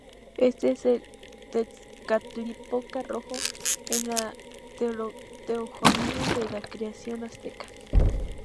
Este es el Tezcatlipoca Rojo en la teogonía de la creación azteca.